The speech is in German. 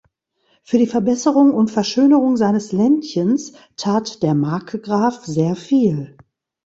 Für die Verbesserung und Verschönerung seines Ländchens tat der Markgraf sehr viel.